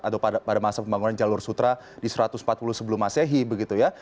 atau pada masa pembangunan jalur sutra di satu ratus empat puluh sebelum masehi begitu ya